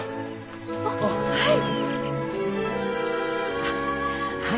あっはい。